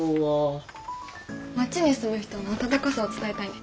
町に住む人の温かさを伝えたいね。